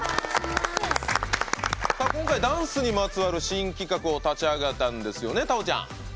今回ダンスにまつわる新企画を立ち上げたんですよね。